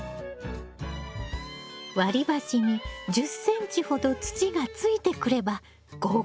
割り箸に１０ｃｍほど土がついてくれば合格よ。